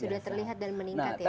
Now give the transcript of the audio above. sudah terlihat dan meningkat ya